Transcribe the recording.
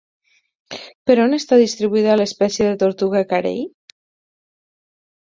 Per on està distribuïda l'espècie de tortuga carei?